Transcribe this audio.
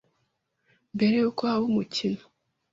mbere y’uko haba umukino